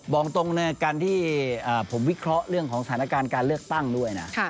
บอกตรงในการที่ผมวิเคราะห์เรื่องของสถานการณ์การเลือกตั้งด้วยนะ